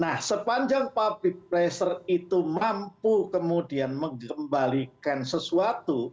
nah sepanjang public pressure itu mampu kemudian mengembalikan sesuatu